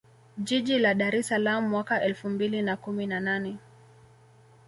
Jiji la Dar es Salaam mwaka elfu mbili na kumi na nane